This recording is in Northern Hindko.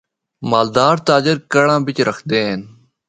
مالدار تاجر کڑاں بچ رکھدے ہن۔